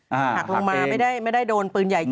หักลงมาไม่ได้โดนปืนใหญ่